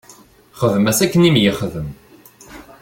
Xdem-as akken i m-yexdem.